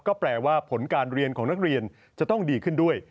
ก็แปลว่าผลการเรียนของนักเรียนจะต้องดีขึ้นด้วย